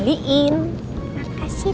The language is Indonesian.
tapi kan ini bukan arah rumah